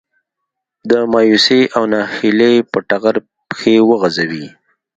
د مايوسي او ناهيلي په ټغر پښې وغځوي.